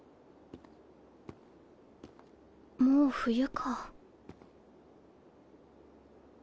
もう冬か